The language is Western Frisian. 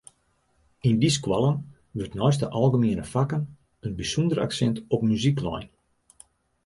Yn dy skoallen wurdt neist de algemiene fakken in bysûnder aksint op muzyk lein.